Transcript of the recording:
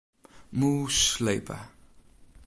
Mûs slepe.